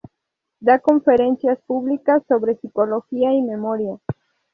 Da conferencias públicas sobre psicología y memoria.